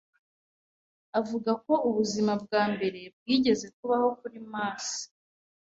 Avuga ko ubuzima bwa mbere bwigeze kubaho kuri Mars.